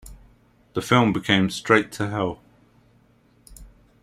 The film became "Straight to Hell".